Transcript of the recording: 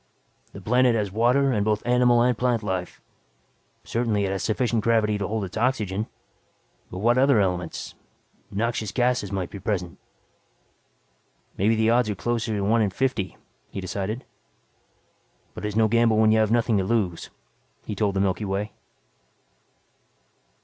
The planet has water and both animal and plant life. Certainly it has sufficient gravity to hold its oxygen. But what other elements noxious gases might be present. Maybe the odds are closer to one in fifty, he decided. "But it's no gamble when you have nothing to lose," he told the Milky Way.